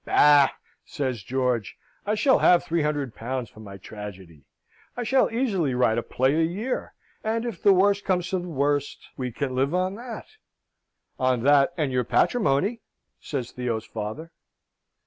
"Bah!" says George. "I shall have three hundred pounds for my tragedy. I can easily write a play a year; and if the worst comes to the worst, we can live on that." "On that and your patrimony," says Theo's father.